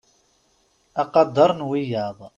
Aqader n wiyaḍ.